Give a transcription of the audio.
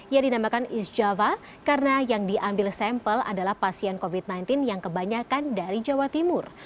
yang dinamakan east java karena yang diambil sampel adalah pasien covid sembilan belas yang kebanyakan dari jawa timur